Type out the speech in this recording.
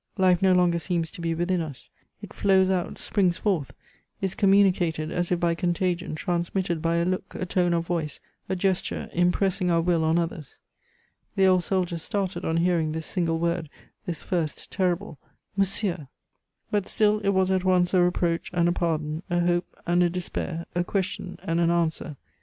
Life no longer seems to be within us; it flows out, springs forth, is communicated as if by contagion, transmitted by a look, a tone of voice, a gesture, impressing our will on others. The old soldier started on hearing this single word, this first, terrible "monsieur!" But still it was at once a reproach and a pardon, a hope and a despair, a question and an answer.